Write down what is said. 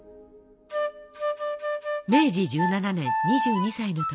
明治１７年２２歳の時。